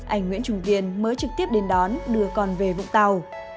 anh nguyễn trung kiên mới trực tiếp đến đón đưa con về vũng tàu